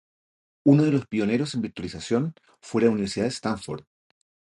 Uno de los pioneros en virtualización fue la Universidad de Stanford.